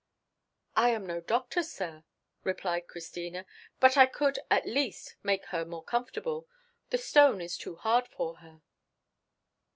"I am no doctor, sir," replied Christina; "but I could, at least, make her more comfortable. The stone is too hard for her."